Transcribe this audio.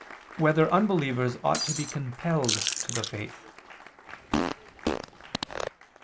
8] Whether Unbelievers Ought to Be Compelled to the Faith?